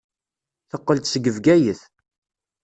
Teqqel-d seg Bgayet.